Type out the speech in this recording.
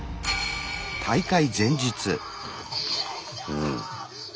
うん。